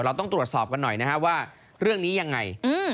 เราต้องตรวจสอบกันหน่อยนะฮะว่าเรื่องนี้ยังไง